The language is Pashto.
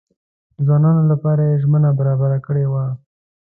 د ځوانانو لپاره یې زمینه برابره کړې وه.